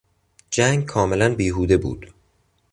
جنگ کاملا بیهوده بود.